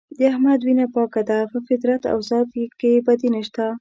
د احمد وینه پاکه ده په فطرت او ذات کې یې بدي نشته.